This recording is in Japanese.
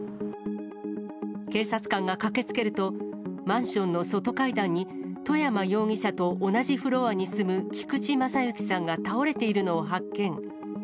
警察官が駆けつけると、マンションの外階段に、外山容疑者と同じフロアに住む菊地雄行さんが倒れているのを発見。